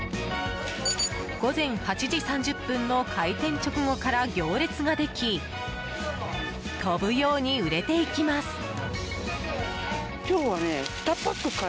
午前８時３０分の開店直後から行列ができ飛ぶように売れていきます。